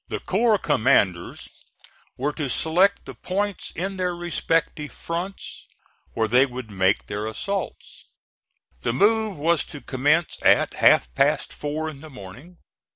The corps commanders were to select the points in their respective fronts where they would make their assaults. The move was to commence at half past four in the morning.